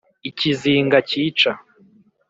ikizinga cyica,